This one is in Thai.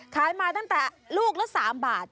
ขายมาตั้งแต่ลูกละ๓บาท